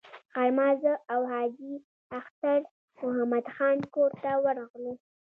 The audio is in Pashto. غرمه زه او حاجي اختر محمد خان کور ته ورغلو.